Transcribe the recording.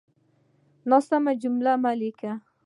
ناسمې جملې مه ليکئ!